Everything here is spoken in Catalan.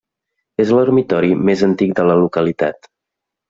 És l'ermitori més antic de la localitat.